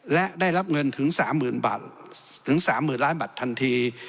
และได้รับเงินถึง๓๐๐๐๐ล้านบาททันที